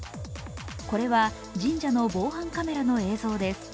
これは神社の防犯カメラの映像です。